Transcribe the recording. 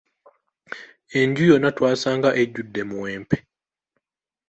Enju yonna twasanga ejjudde muwempe.